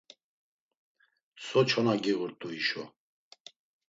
So çona giğurt̆u hişo?